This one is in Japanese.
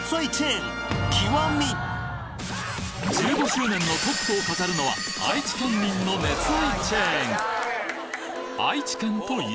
１５周年のトップを飾るのは愛知県民の熱愛チェーン